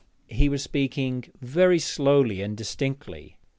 "' He was speaking very slowly and distinctly.